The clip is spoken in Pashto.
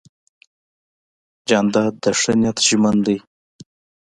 جانداد د ښه نیت ژمن دی.